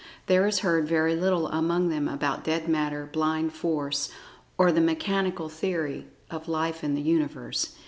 There is heard very little among them about "dead matter"; "blind force"; or of the "mechanical theory" of Life and the Universe.